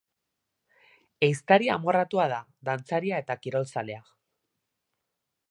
Ehiztari amorratua da, dantzaria eta kirolzalea.